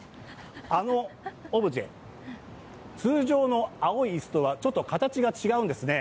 あのオブジェ、通常の青い椅子とはちょっと形が違うんですね。